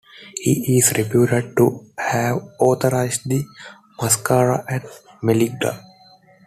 He is reputed to have authorised the massacre at Meligala.